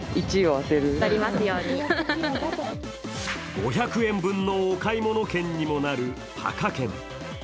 ５００円分のお買い物券にもなるパカ券。